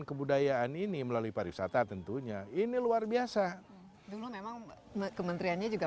kebudayaan ini melalui pariwisata tentunya ini luar biasa dulu memang kementeriannya juga